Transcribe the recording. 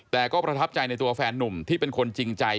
แต่ก็ประทับใจในตัวแฟนนุ่มที่เป็นคนจริงใจ